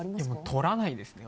撮らないですね。